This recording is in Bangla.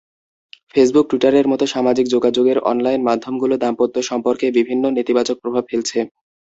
ফেসবুক-টুইটারের মতো সামাজিক যোগাযোগের অনলাইন মাধ্যমগুলো দাম্পত্য সম্পর্কে বিভিন্ন নেতিবাচক প্রভাব ফেলছে।